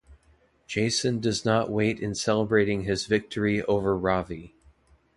Jaison does not wait in celebrating his victory over Ravi.